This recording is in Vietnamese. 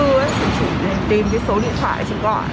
lên cái nhóm chung cư ấy tìm cái số điện thoại chị gọi